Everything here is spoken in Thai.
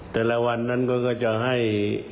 แต่ละวันนั้นก็จะให้